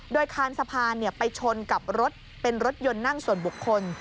โดยคานสะพานไปชนกับรถเป็นรถยนต์นั่งส่วนบุคคล